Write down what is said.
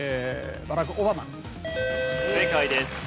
正解です。